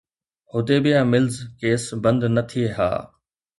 Hudaibiya mills case بند نه ٿئي ها.